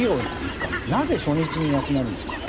なぜ初日に亡くなるのか。